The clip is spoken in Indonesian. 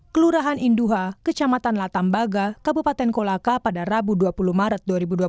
kelurahan induha kecamatan latambaga kabupaten kolaka pada rabu dua puluh maret dua ribu dua puluh satu